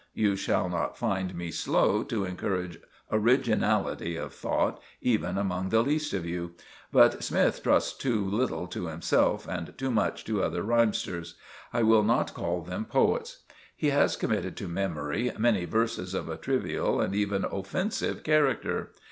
You shall not find me slow to encourage originality of thought even among the least of you; but Smythe trusts too little to himself and too much to other rhymsters—I will not call them poets. He has committed to memory many verses of a trivial and even offensive character.